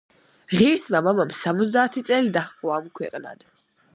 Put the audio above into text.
ღირსმა მამამ სამოცდაათი წელი დაჰყო ამქვეყნად.